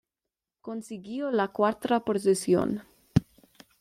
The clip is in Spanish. Consiguió la cuarta posición.